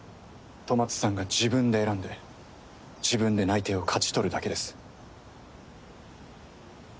戸松さんが自分で選んで自分で内定を勝ち取るだけです。